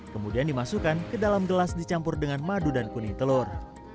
kemudian dimasukkan ke dalam gelas dicampur dengan madu dan kuning telur